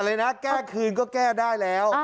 เลยนะแก้คืนก็แก้ได้แล้ว